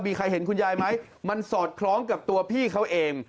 มีใครเห็นคุณยายไหมมันสอดคล้องกับตัวพี่เขาเอง